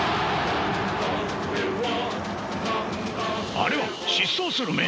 あれは疾走する眼！